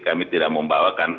kami tidak membawakan